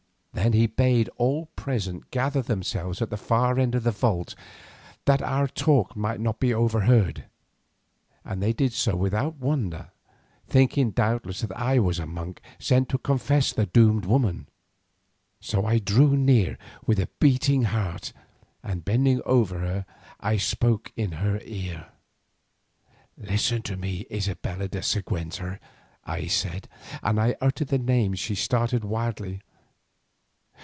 Then he bade all present gather themselves at the far end of the vault that our talk might not be overheard, and they did so without wonder, thinking doubtless that I was a monk sent to confess the doomed woman. So I drew near with a beating heart, and bending over her I spoke in her ear. "Listen to me, Isabella de Siguenza!" I said; and as I uttered the name she started wildly.